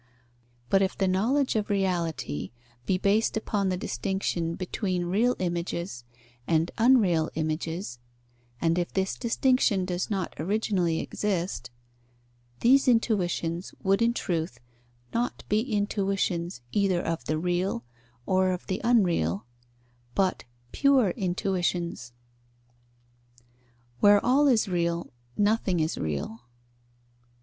But if the knowledge of reality be based upon the distinction between real images and unreal images, and if this distinction does not originally exist, these intuitions would in truth not be intuitions either of the real or of the unreal, but pure intuitions. Where all is real, nothing is real.